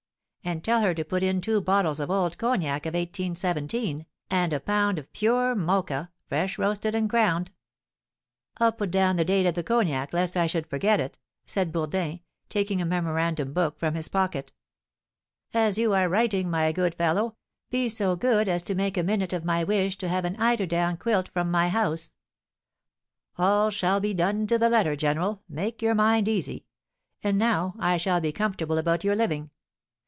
And tell her to put in two bottles of old cognac of 1817, and a pound of pure Mocha, fresh roasted and ground." "I'll put down the date of the cognac, lest I should forget it," said Bourdin, taking a memorandum book from his pocket. "As you are writing, my good fellow, be so good as make a minute of my wish to have an eider down quilt from my house." "All shall be done to the letter, general; make your mind easy. And now I shall be comfortable about your living.